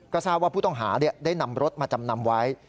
ก็ทราบว่าผู้ต้องหาได้นำรถมาจำนำไว้